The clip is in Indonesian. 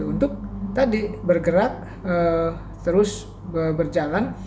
untuk tadi bergerak terus berjalan